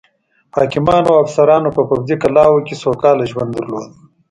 حاکمانو او افسرانو په پوځي کلاوو کې سوکاله ژوند درلوده.